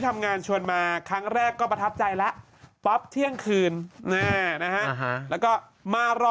ทำงานชวนมาครั้งแรกก็ประทับใจแล้วป๊อปเที่ยงคืนแล้วก็มารอ